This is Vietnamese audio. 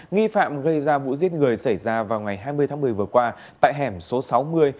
nghi phạm gây ra vụ giết người xảy ra vào ngày hai mươi tháng một mươi vừa qua tại hẻm số sáu mươi